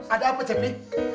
ada apa jepi